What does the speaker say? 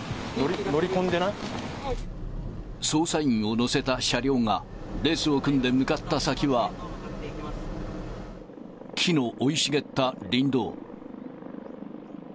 乗り込んでな捜査員を乗せた車両が、列を組んで向かった先は、木の生い茂った林道。